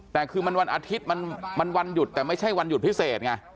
แต่คือมันวันอาทิตย์มันวันหยุดแต่ไม่ใช่วันหยุดพิเศษไง